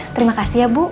terima kasih ya bu